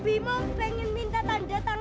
bimong pengen minta tanda tanda aja dong